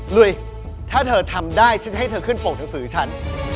ลุยถ้าเธอทำได้ฉันให้เธอขึ้นโปรกหนังสือฉัน